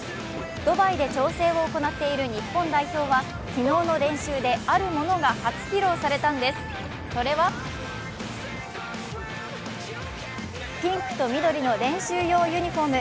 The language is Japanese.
ドバイで調整を行っている日本代表は昨日の練習であるものが初披露されたんです、それはピンクと緑の練習用ユニフォーム。